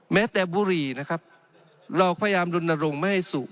แม้แต่บุรีนะครับเราพยายามดนตรงไม่ให้สุข